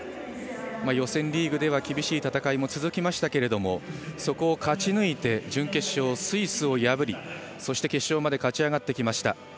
予選リーグでは厳しい戦いも続きましたけどもそこを勝ち抜いて準決勝、スイスを破りそして、決勝まで勝ち上がってきました。